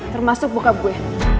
termasuk bokap gue